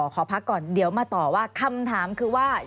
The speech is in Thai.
ขอพักก่อนเดี๋ยวมาต่อว่าคำถามคือว่า